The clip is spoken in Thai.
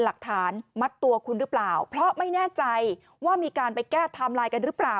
หลักฐานมัดตัวคุณหรือเปล่าเพราะไม่แน่ใจว่ามีการไปแก้ไทม์ไลน์กันหรือเปล่า